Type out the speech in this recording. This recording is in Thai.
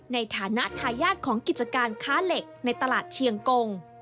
ในฐานะทายาทของกิจการค้าเหล็กในตลาดเชียงกง